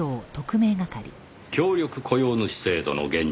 協力雇用主制度の現状